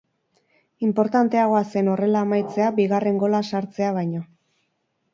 Inportanteagoa zen horrela amaitzea bigarren gola sartzea baino.